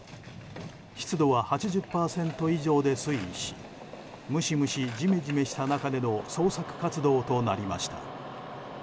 湿度は８０％以上で推移しムシムシ、ジメジメした中での捜索活動となりました。